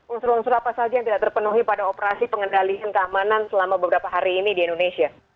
unsur unsur apa saja yang tidak terpenuhi pada operasi pengendalian keamanan selama beberapa hari ini di indonesia